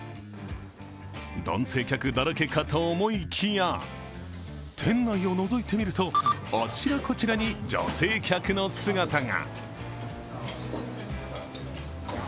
男性客だらけかと思いきや店内をのぞいてみると、あちらこちらに女性客の姿が。